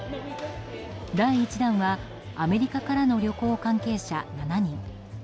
第１弾はアメリカからの旅行関係者７人。